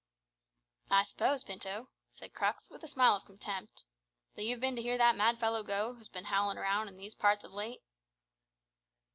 "I suppose, Pinto," said Crux, with a smile of contempt, "that you've bin to hear that mad fellow Gough, who's bin howlin' around in these parts of late?"